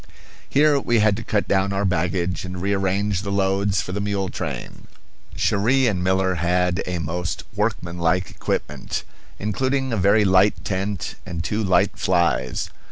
Here we had to cut down our baggage and rearrange the loads for the mule train. Cherrie and Miller had a most workmanlike equipment, including a very light tent and two light flies.